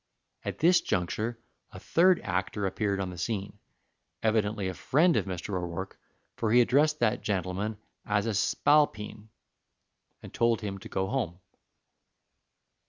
At this juncture a third actor appeared on the scene, evidently a friend of Mr. O'Rourke, for he addressed that gentleman as a "spalpeen," and told him to go home.